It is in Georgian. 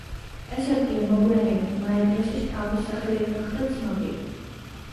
ეს ადგილი მოგვიანებით მაედროსის ჭაობის სახელით გახდა ცნობილი.